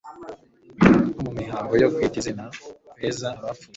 nko mu mihango yo kwita izina, kweza abapfushije